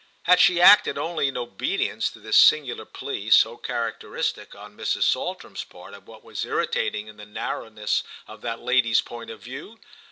Had she acted only in obedience to this singular plea, so characteristic, on Mrs. Saltram's part, of what was irritating in the narrowness of that lady's point of view?